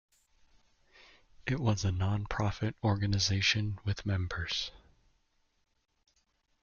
It was a nonprofit organization with members.